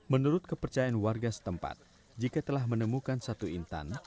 menurut kepercayaan warga setempat jika telah menemukan satu intan